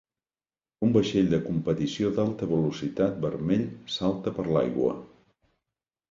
Un vaixell de competició d'alta velocitat vermell salta per l'aigua.